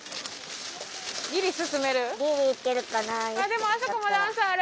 でもあそこも段差ある。